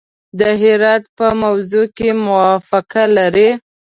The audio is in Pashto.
د هرات په موضوع کې موافقه لري.